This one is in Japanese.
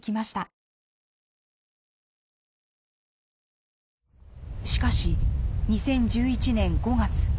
しかし２０１１年５月。